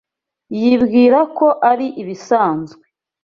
Yibwira ko ari ibisanzwe.